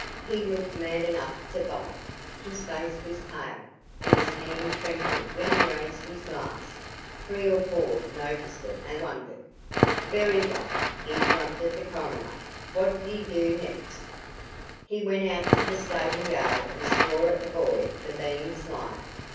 He looked mad enough to bite; his face was pale, and his hand trembled when he raised his glass. Three or four noticed it and wondered " "Very well," interrupted the coroner, "what did he do next?" "He went out to the stable yard and swore at the boy for being slow.